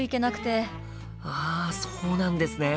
ああそうなんですね。